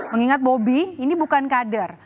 mengingat bobby ini bukan kader